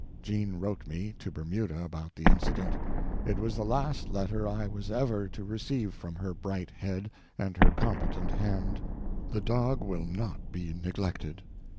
Jean wrote me, to Bermuda, about the incident. It was the last letter I was ever to receive from her bright head and her competent hand. The dog will not be neglected.